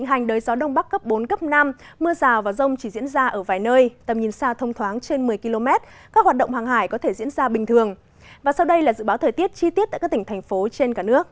hãy đăng ký kênh để ủng hộ kênh của chúng mình nhé